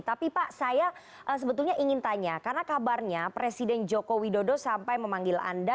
tapi pak saya sebetulnya ingin tanya karena kabarnya presiden joko widodo sampai memanggil anda